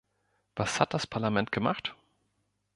Was hat das Parlament gemacht?